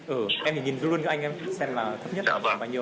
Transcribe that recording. ừ em nhìn luôn cho anh em xem là thấp nhất tầm bao nhiêu